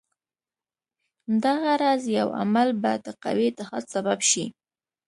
دغه راز یو عمل به د قوي اتحاد سبب شي.